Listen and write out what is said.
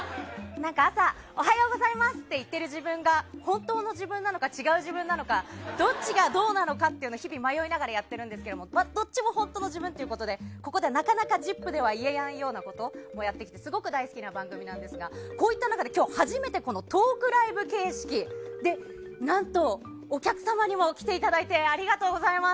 朝、おはようございます！って言ってる自分が本当の自分なのか違う自分なのかどっちがどうなのかというのを日々迷いながらやっているんですけどもどっちも本当の自分っていうことでここではなかなか「ＺＩＰ！」では言えないようなことをやってきてすごく大好きな番組ですがそんな中で今日は初めてトークライブ形式で何と、お客様にも来ていただいてありがとうございます。